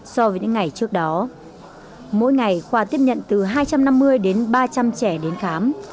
so với những ngày trước đó mỗi ngày khoa tiếp nhận từ hai trăm năm mươi đến ba trăm linh trẻ đến khám